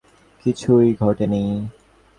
আর school এমন ভান করবে যেন কিছুই ঘটেনি।